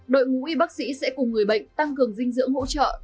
đội ngũ y bác sĩ sẽ cùng người bệnh tăng cường dinh dưỡng hỗ trợ